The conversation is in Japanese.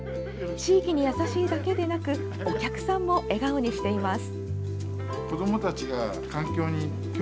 地域に優しいだけでなくお客さんも笑顔にしています。